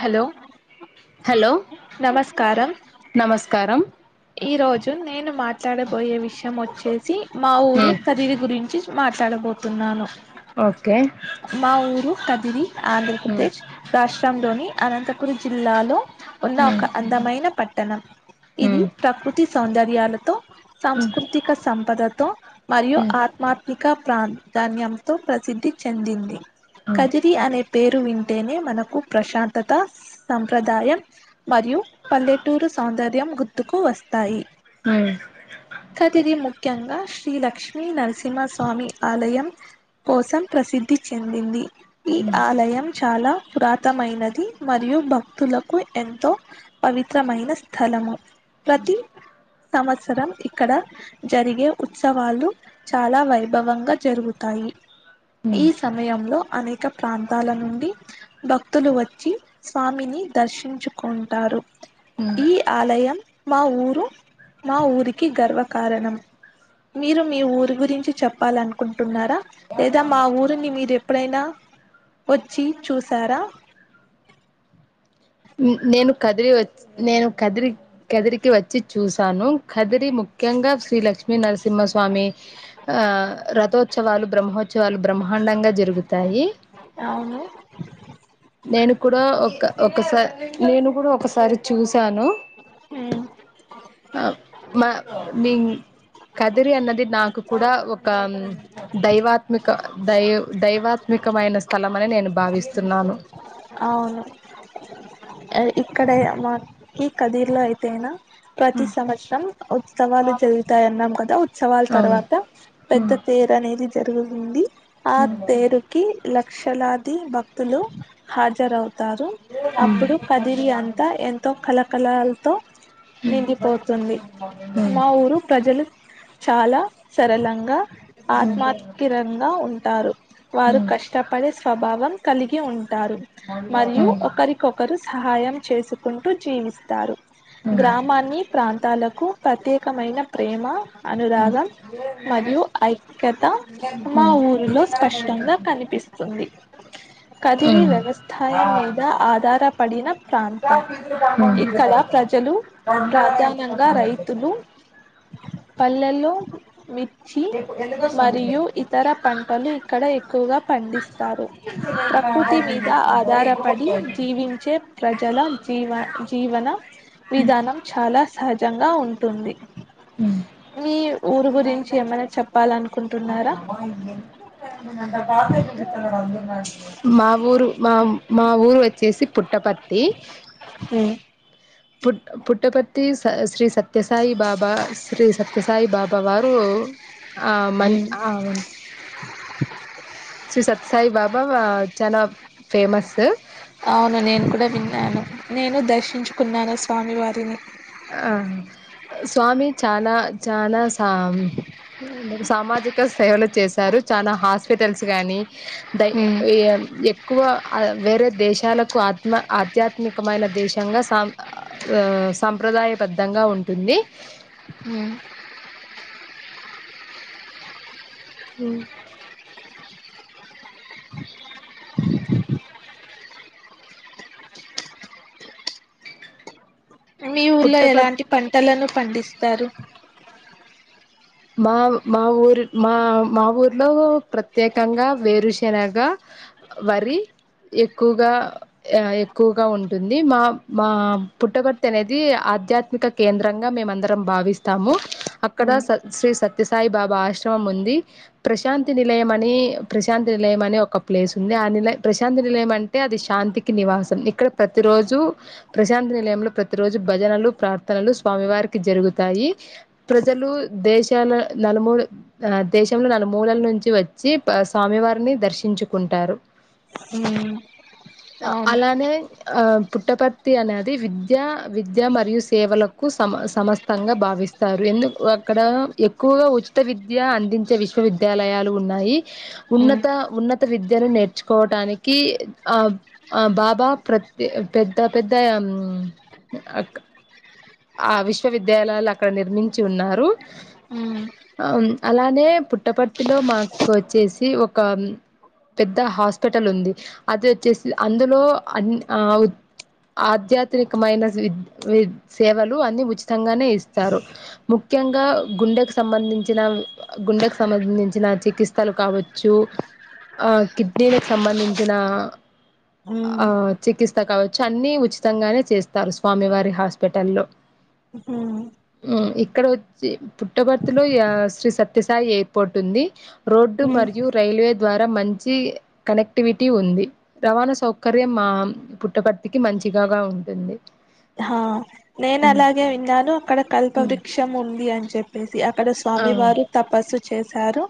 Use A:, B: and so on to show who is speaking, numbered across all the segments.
A: Hello
B: hello
A: నమస్కారం
B: నమస్కారం
A: ఈ రోజు నేను మాట్లాడబోయే విషయం వచ్చేసి మా ఊరు కదిరి గురించి మాట్ తడబోతున్నాను
B: ఓకే
A: మా ఊరు కదిరి ఆంధ్రప్రదేశ్ రాష్ట్రం ధోని అనంతపుర్ జిల్లాలో ఉన్న ఒక అందమైన పట్టణం ఇది ప్రకృతి సౌందర్యాలతో సాంస్కృతిక సంపదతో మరియు ఆత్మాత్మ ప్రాధాన్యంతో ప్రసిద్ధి చెందింది కదిరి అనే పేరు వింటేనే మనకు ప్రశాంతత సంప్రదాయం మరియు పల్లెటూరు సౌందర్యం గుర్తుకు వస్తాయి
B: అ
A: కదిరి ముఖ్యంగా శ్రీ లక్ష్మీ నరసింహస్వామి ఆలయం కోసం ప్రసిద్ధి చెందింది ఈ ఆలయం చాలా పురాతమైనది మరియు భక్తులకు ఎంతో పవిత్రమైన స్థలము ప్రతి సంవత్సరం ఇక్కడ జరిగే ఉత్సవాలు చాలా వైభవంగా జరుగుతాయి ఈ సమయంలో అనేక ప్రాంతాల నుండి భక్తులు వచ్చి స్వామిని దర్శించుకుంటారు ఈ ఆలయం మా ఊరు మా ఊరికి గర్వకారణం మీరు మీ ఊరి గురించి చెప్పాలనుకుంటున్నారా లేదా మా ఊరిని మీరు ఎప్పుడైనా వచ్చి చూసారా
B: నేను కదిరి వచ్చి నేను కదిరి కదిరికి వచ్చి చూసాను కదిరి ముఖ్యంగా శ్రీలక్ష్మి లక్ష్ నరసింహస్వామి ఆ రథోత్సవాలు బ్రహ్మోత్ ఉత్సవాలు బ్రహ్మాండంగా జరుగుతయి తయి
A: అవును
B: నేను కూడా ఒక ఒకసారి నేను కూడా ఒకసారి చూశాను
A: ఉమ్
B: ఆ మా మీ కదిరి అన్నది నాకు కూడా ఒక దైవాత్మిక దై దైవాత్మికమైన స్థలం అని నేను భావిస్తున్నాను
A: అవును ఇక్కడ మా ఈ కదిర్లో అయితేనా ప్రతి సంవత్సరం ఉత్సవాలు జరుగుతాయన్నాం కదా ఉత్సవాల
B: అవును
A: తర్వాత
B: హ్మ్
A: పెద్ద
B: హ్మ్
A: తీరు అనేది జరుగుతుంది ఆ
B: హ్మ్
A: తేరుకి లా లక్షలాది భక్తులు హజరవు తారు అప్పుడు కదిరి అంతా ఎంతో కలకల తొ
B: హ్మ్
A: నిండిపోతుంది
B: హ్మ్
A: మా ఊరు ప్రజలు చాలా సరళంగా ఆత్మ స్తిరంగా ఉంటారు వారు
B: హ్మ్
A: కష్టపడే స్వభావం కలికి ఉవును [unintelligible] మరియు
B: హ్మ్
A: ఒకరికొకరు సహాయం చేసుకు ట్టు జీవిస్తారు గ్రామాన్ని ప్రాం తాలకు ప్రత్యేకమైన ప్రేమ అనురాగం మరియు ఐక్యత మా
B: హ్మ్
A: ఊరిలో స్పష్టంగా కనిపిస్తుంది ఇది
B: హ్మ్
A: వ్యవసాయం మీద ఆధారపడిన ప్రాంతం ఇక్కడ ప్రజలు ప్రధానంగా రైతులు పల్లెల్లో మీ మరియు ఇతర పంటలు ఇక్కడ ఎక్కువగా పండిస్తారు ప్రకృతి వృత్తి మీద ఆధారపడి జీవించే ప్రజల జీవ జీవన విధానం చాలా సహజంగా గా ఉంటుంది మీ ఊరు గురించి ఏమైనా చెప్పాలనుకుంటున్నారా
B: మా ఊ ఊరు మాఊరు వచ్చేసి పుట్టపర్తి
A: ఉమ్
B: పుట్ పుట్టపర్తి శ్రీ సత్య సత్యసాయి బాబా శ్రీ సత్యసాయి బాబా వారు ఆ మ
A: ఉమ్,
B: ఆ శ్రీ సత్యసాయి బాబా చానా ఫేమస్
A: అవును నేను కూడా విన్నాను నేను దర్శించుకున్నాను స్వామి వారిని
B: ఆ స్వామి చానా చానా సా సామాజిక సేవలు చేశారు చానా హాస్పిటల్స్ గాని
A: ఉమ్
B: ఎక్కువ వేరే దేశాలకు ఆత్మ ఆధ్యాత్మికమైన దేశంగా సామి సంప్రదాయబద్ధంగా ఉంటుంది
A: హ
B: ఉ
A: మీ ఊళ్లో
B: పుట్టపర్తి
A: ఎలాంటి పంటలను పండిస్తారు
B: మా మా ఊరు మా మా ఊర్లో ప్రత్యేకంగా వేరుశనగ వరి ఎక్కువగా ఎక్కువగా ఉంటుంది. మా మా పుట్టపర్తి అనేది ఆధ్యాత్మిక కేంద్రంగా మేమందరం భావిస్తాము. అక్కడ శ్రీ సత్యసాయి బాబా ఆశ్రమం ఉంది. ప్రశాంతి నిలయం అని ప్రశాంతి నిలయం అనే ఒక ప్లేస్ ఉంది. ఆ నిల ప్రశాంతి నిలయం అంటే అది శాంతికి నివాసం ఇక్కడ ప్రతి రోజు ప్రశాంతి నిలయంలో ప్రతి రోజు భజనలు ప్రార్థనలు స్వామివారికి జరుగుతాయి. ప్రజలు దేశాల నలుమూ ఆ దేశంలో నలుమూలల నుంచి వచ్చి స్వామివారిని దర్శించుకుంటారు.
A: అవును
B: అలానే ఆ పుట్టపర్తి అనేది విద్య విద్య మరియు సేవలకు సమ సమస్తంగా భావిస్తారు. ఎందుకు అక్కడ ఎక్కువగా ఉచిత విద్య అందించే విశ్వవిద్యాలయాలు ఉన్నాయి.
A: ఉమ్,
B: ఉన్నత ఉన్నత విద్యను నేర్చుకోవటానికి ఆ ఆ బాబా ప్రతి పెద్ద, పెద్ద ఆ విశ్వవిద్యాలయాలు అక్కడ నిర్మించి ఉన్నారు.
A: ఉమ్,
B: అ అలానే పుట్టపర్తిలో మాకు వచ్చేసి ఒక పెద్ద హాస్పిటల్ ఉంది. అది వచ్చేసి అందులో అన్ ఆ ఆధ్యాత్మికమైన వి సేవలు అన్ని ఉచితంగానే ఇస్తారు. ముఖ్యంగా గుండెకు సంబంధించిన గుండెకు సంబంధించిన చికిత్సలు కావచ్చు, ఆ కిడ్నీలకు సంబంధించిన
A: ఉమ్,
B: ఆ చికిత్స కావచ్చు అన్ని ఉచితంగానే చేస్తారు. స్వామివారి హాస్పి పెటలో
A: హ
B: ఉ ఇక్కడ వచ్చి పుట్టపర్తిలో శ్రీ సత్యసాయి ఎయిర్పోర్ట్ ఉంది రోడ్డు
A: ఉమ్,
B: మరియు రైల్వే ద్వారా మంచి కనెక్టివిటీ ఉంది రవాణా సౌకర్యం మా పుట్టపర్తికి మంచిగాగా ఉంటుంది
A: హా నేను
B: హ్మ్.
A: అలాగే విన్నాను అక్కడ కల్ప
B: హ్మ్.
A: వృక్షం ఉంది అని చెప్పేసి అక్కడ
B: ఆ!
A: స్వామి వారు తపస్సు చేశారు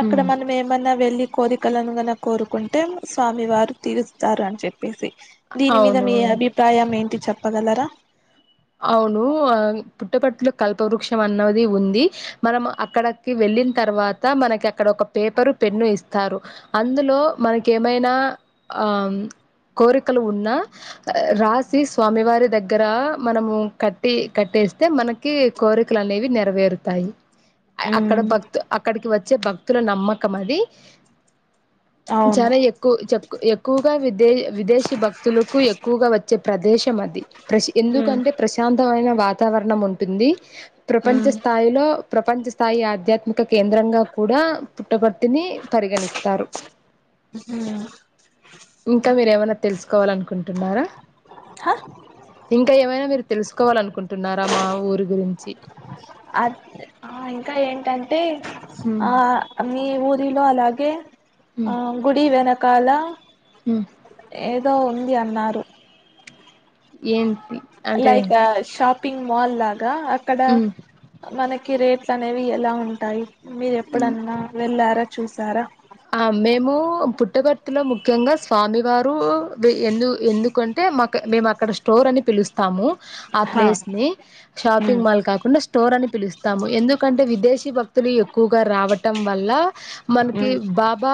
A: అక్కడ
B: హ్మ్.
A: మనం ఏమన్నా వెళ్ళి కోరికలనుగనె కోరుకుంటే స్వామి వారు తీరుస్తారు అని చెప్పేసి దీని మీద మీ
B: అవును.
A: అభిప్రాయం ఏంటి చెప్పగలరా
B: అవును ఆ పుట్టపర్తిలొ కల్పవృక్షం అన్నది ఉంది మనం అక్కడకి వెళ్ళిన తర్వాత మనకి అక్కడ ఒక పేపరు పెన్ను ఇస్తారు అందులో మనకి ఏమైనా ఆ కోరికలు ఉన్నా రాసి స్వామివారి దగ్గర మనము కట్టి కట్టేస్తే మనకి కోరికలు అనేవి నెరవేరుతాయి అక్కడ
A: ఉమ్,
B: భక్తు అక్కడికి వచ్చే భక్తుల నమ్మకం అది
A: అవును
B: చాలా ఎక్కువ చెప్ ఎక్కువగా విద విదేశీ భక్తులకు ఎక్కువగా వచ్చే ప్రదేశం అది
A: ఉమ్,
B: ఎందుకంటే ప్రశాంత్ మైన వాతావరణం ఉంటుంది ప్రపంచ
A: ఉమ్,
B: స్థాయిలో ప్రపంచ స్థాయి ఆధ్యాత్మిక కేంద్రంగా కూడా పుట్టపర్తిని పరిగణిస్తారు
A: ఉమ్.
B: ఇంకా మీరు ఏమైన తెలుసుకోవాలనుకుంటున్నారా
A: హా
B: ఇంకా ఏమైనా మీరు తెలుసుకోవాలనుకుంటున్నారా మా ఊరి గురించి
A: ఏంటం టే
B: ఉమ్
A: ఆ మీ ఊరి రిలో అలాగే ఆ గుడివేనా కాల
B: ఉమ్
A: ఏదో ఉంది అన్నారు
B: ఏంటి అంటే
A: లైక్ షాప్ పింక్ మాల్ లా అక్కడ
B: ఉమ్
A: మనకి కి రేట్లు అనేవి ఎలా ఉంటాయి మీరు
B: ఉమ్
A: ఎప్పుడన్నా వెళ్ళారా చూసారా
B: ఆ మేము పుట్టపర్తిలో ముఖ్యంగా స్వామివారు ఎందుకంటే మాకు మేము అక్కడ స్టోర్ అని పిలుస్తాము ఆ
A: హా
B: ప్లేస్ ని
A: ఉమ్
B: షాపింగ్ మాల్ కాకుండా స్టోర్ అని పిలుస్తాము ఎందుకంటే విదేశీ భక్తులు ఎక్కువగా రావటం వల్ల మనకి
A: ఉమ్
B: బాబా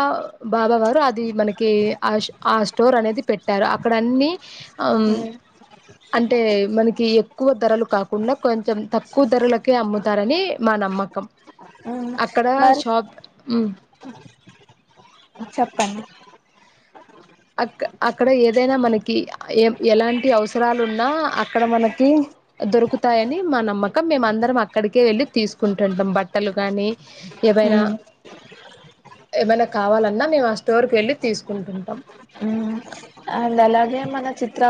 B: బాబా వారు అది మనకి ఆ ఆ స్టోర్ బాబా వారు అది మనకి ఆ స్టోర్ అనేది పెట్టారు అక్కడ అన్ని ఆ
A: ఉమ్
B: అంటే మనకి ఎక్కువ ధరలు కాకుండా కొంచెం తక్కువ ధరలకే అమ్ముతారని మా నమ్మకం
A: ఉమ్
B: అక్కడ
A: మరి
B: షాప్ ఊ
A: చెప్పండి
B: అ అక్కడ ఏదైనా మనకి ఎలాంటి అవసరాలు ఉన్నా అక్కడ మనకి దొరుకుతాయని మా నమ్మకం మేము అందరం అక్కడికే వెళ్ళి అక్కడ ఏదైనా మనకి ఎలాంటి అవసరలున్న అక్కడమనకి దొరుకుతాయాని తీసుకుంటుంటాం బట్టలు కాని ఏమైనా
A: ఉమ్
B: ఏమైనా కావాలన్నా మేము ఆ స్టోర్కి వెళ్ళి తీసుకుంటుంటాం
A: ఉమ్ అండ్ అలాగే మన చిత్ర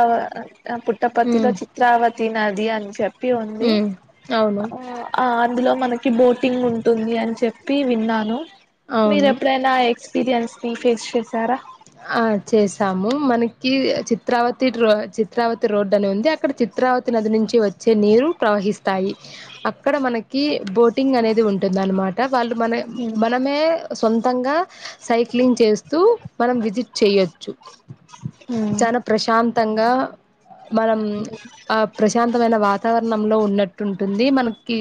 A: పలో
B: ఉమ్
A: చిత్రావతి నది అని చెప్పి ఉంది
B: ఉమ్ అవును
A: ఆ ఆ అందులో మనకి బోటింగ్ ఉంటుంది అని చెప్పి విన్నాను మీరు
B: అవును
A: ఎప్పుడైనా పీరియన్స్ ని ఫేస్ చేస్
B: ఆ చేస్ తాము మనకి చిత్రావతి ర చిత్రావతి రోడ్డు అని మనకి చిత్రావతి రోడ్డు అని ఉంది. అక్కడ చిత్రావతి నది నుంచి వచ్చే నీరు ప్రవహిస్తాయి. అక్కడ మనకి బోటింగ్ అనేది ఉంటుంది, అనమాట వాళ్ళు మనె
A: ఉమ్
B: మనమే సొంతంగా సైక్లింగ్ చేస్తూ మనం విజిట్ చెయొచ్చు
A: ఉమ్
B: చానా ప్రశాంతంగా మనం ఆ ప్రశాంతమైన వాతావరణంలో ఉన్నట్టు ఉంటుంది. మనకి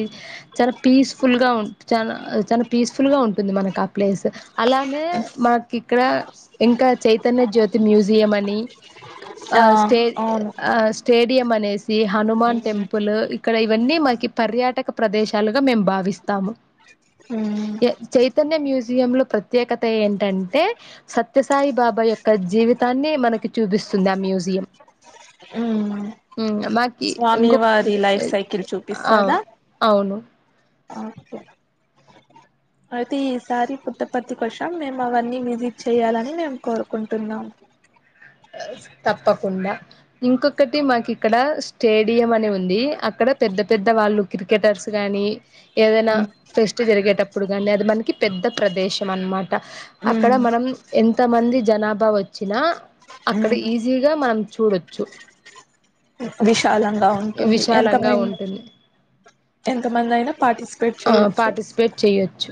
B: చాలా పీస్ఫుల్ గా ఉ చాన చానా పీస్ఫుల్ గా ఉంటుంది మనకు ఆ ప్లేస్, అలానే మనకి ఇక్కడ ఇంకా చైతన్య జ్యోతి మ్యూజియం అని ఆ స్టే
A: అవును
B: ఆ స్టేడియం అనేసి హనుమాన్ టెంపుల్ ఇక్కడ ఇవన్నీ మాకి పర్యాటక ప్రదేశాలుగా మేము భావిస్తాము.
A: ఉమ్
B: ఎ చైతన్య మ్యూజియం లో ప్రత్యేకత ఏంటంటే స త్య సాయిబాబా యొక్క జీవితాన్ని మనకి చూపిస్తుంది ఆ మ్యూజియం,
A: ఉమ్
B: ఉ మాకి
A: స్వామి
B: ఇంకొ
A: వారి లైఫ్ సైకిల్
B: ఆ
A: చూపిస్తాదా
B: అవును
A: అయితే ఈసారి పుట్టపర్తి కోసం మేము అవన్నీ విజిట్ చేయాలని మేము కోరుకుంటున్నాం.
B: ఎస్ తప్పకుండా ఇంకొకటి మాకి ఇక్కడ స్టేడియం అనే ఉంది. అక్కడ పెద్ద పెద్ద వాళ్ళు క్రికెటర్స్ గాని, ఏదైనా
A: ఉమ్
B: ఫెస్ట్ జరిగేటప్పుడు గాని, అది మనకి పెద్ద ప్రదేశం అనమాట అక్కడ మనం ఎంత మంది జనాభా వచ్చినా అక్కడ
A: ఉమ్
B: ఈజీగా మనం చూడొచ్చు
A: విశాలంగా ఉంటుంది
B: విశాలంగా
A: ఎంతమైన
B: ఉంటుంది
A: ఎంత మంది అయినా పాటిస్
B: ఆ పాటిస్పేట్ చెయొచ్చు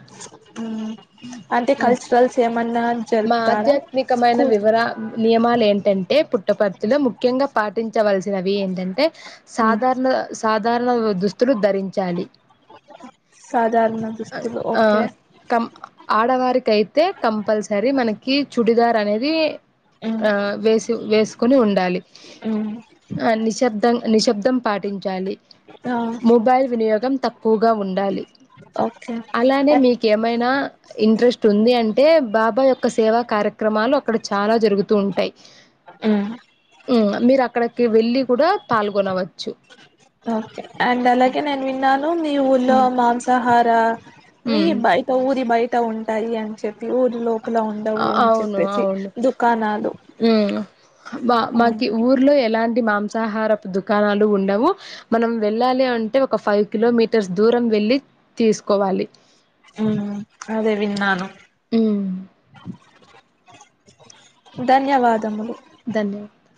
A: ఆ అంటే కల్చరల్స్ ఏమన్నా
B: మా
A: జరుపుతారా
B: ఆధ్యాత్మికమైన
A: స్కూల్
B: వివరా నియమాలు ఏంటంటే పుట్టపర్తిలో ముఖ్యంగా పాటించవలసినవి ఏంటంటే సాధారణ సాధారణ దుస్తులు ధరించాలి
A: సాధారణ దస్తులు ఓకే
B: కైతే కంపల్సర సరి మనకి చుడిదార్ అనేది ఆ వేసి వేసుకొని ఉండాలి ఆ నిశ్శబ్దం నిశ్శబ్దం పాటించాలి
A: ఆ
B: మొబైల్ వినియోగం తక్కువగా ఉండాలి
A: ఓకే
B: అలానే
A: అండ్
B: మీకేమైనా ఇంట్రెస్ట్ ఉంది అంటే బాబ అబ్బా యొక్క సేవా కార్యక్రమాలు అక్కడ చాలా జరుగుతూ ఉంటాయి ఉమ్ మీరు అక్కడికి వెళ్ళి కూడా పాల్గొనవచ్చు
A: అండ్ అలాగే నేను విన్న ను నీ ఊళ్ళో
B: మ్మ్
A: మాంసాహార రా వి
B: మ్మ్
A: బయట ఊరి బయట ఉంటాయి అని చెప్పి ఊరిలో లోపల ఉండవు అని
B: అవును
A: చెప్పేసి
B: అవును
A: దుకాణాలు
B: మ్మ్ మా మాకి ఊర్లో ఎలాంటి మాంసాహారపు దుకాణాలు ఉండవు మనం వెళ్ళాలి అంటే ఒక ఫైవ్ కిలోమీటర్స్ దూరం వెళ్ళి తీసుకోవాలి
A: ఉమ్, అదే విన్నాను
B: ఉమ్
A: ధన్యవాదములు
B: ధన్యవాద